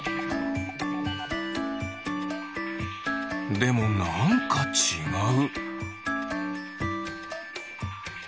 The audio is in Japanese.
でもなんかちがう。